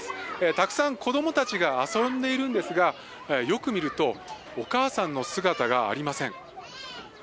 たくさん子供たちが遊んでいるんですがよく見るとお母さんの姿がありません。